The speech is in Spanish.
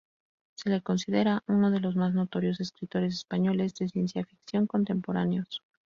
Se le considera uno de los más notorios escritores españoles de ciencia ficción contemporáneos.